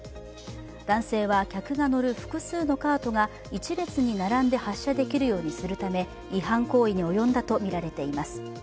男性は、客が乗る複数のカートが１列に並んで発車できるようにするため違反行為に及んだとみられています。